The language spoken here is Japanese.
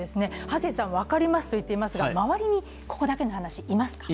ハセンさん分かりますと言っていますが周りに、ここだけの話いますか？